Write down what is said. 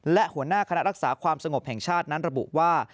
และหัวหน้าคณะรักษาความสงบแห่งชาตินั้นระบุว่า